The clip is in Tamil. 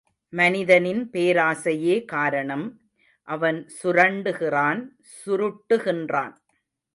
மனிதனின் பேராசையே காரணம், அவன் சுரண்டுகிறான் சுருட்டுகின்றான்.